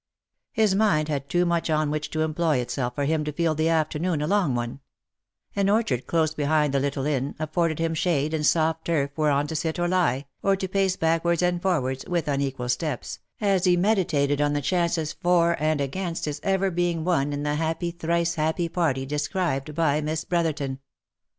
His mind had too much on which to employ itself for him to feel the afternoon a long one : an orchard close behind the little inn, afforded him shade and soft turf whereon to sit or lie, or to pace back wards and forwards, with unequal steps, as he meditated on the chances for and against his ever being one in the happy, thrice happy party described by Miss Brotherton.